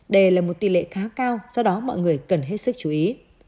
đây là một tỷ lệ khá cao do đó mọi người cần hết sức chú ý